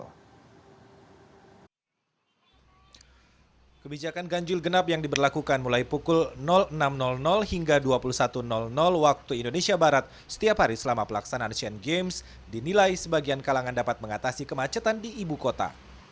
kebijakan ganjil genap yang diberlakukan mulai pukul enam hingga dua puluh satu waktu indonesia barat setiap hari selama pelaksanaan asian games dinilai sebagian kalangan dapat mengatasi kemacetan di ibu kota